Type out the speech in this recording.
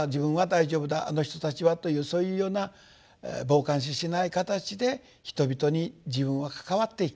あの人たちは」というそういうような傍観視しない形で人々に自分は関わっていく。